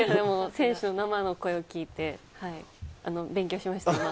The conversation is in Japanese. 選手の生の声を聞いて勉強しました、今。